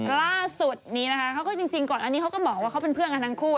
ล่าสุดนี้นะคะเขาก็จริงก่อนอันนี้เขาก็บอกว่าเขาเป็นเพื่อนกันทั้งคู่